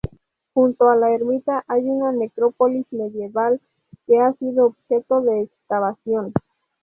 Junto a la ermita hay una necrópolis medieval que ha sido objeto de excavación.